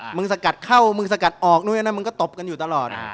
สกัดเข้ามึงสกัดออกนู้นมึงก็ตบกันอยู่ตลอด